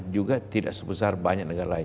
juga tidak sebesar banyak negara lain